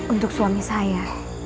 untuk suami saya